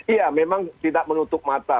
iya memang tidak menutup mata